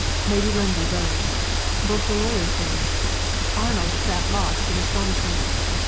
Lady Lundie rose. Both the lawyers rose. Arnold sat lost in astonishment.